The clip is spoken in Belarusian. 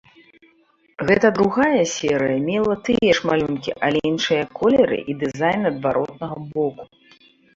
Гэта другая серыя мела тыя ж малюнкі, але іншыя колеры і дызайн адваротнага боку.